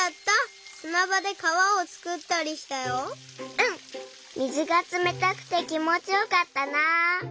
うん水がつめたくてきもちよかったな。